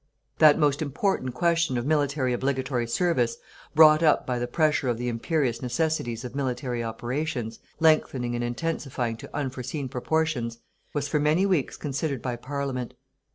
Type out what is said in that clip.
That most important question of military obligatory service, brought up by the pressure of the imperious necessities of military operations, lengthening and intensifying to unforeseen proportions, was for many weeks considered by Parliament.